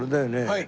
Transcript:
はい。